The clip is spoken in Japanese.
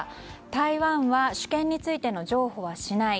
台湾は主権についての譲歩はしない。